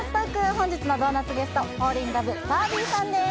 本日のドーナツゲストフォーリンラブバービーさんです